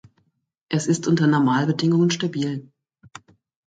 Es ist unter Normalbedingungen stabil.